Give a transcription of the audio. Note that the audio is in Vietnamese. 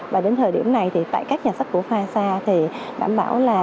và đến thời điểm này thì tại các nhà sách của phai sa thì đảm bảo là